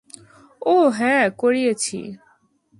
ওহ, হ্যাঁ, করিয়েছি।